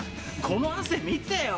この汗見てよ。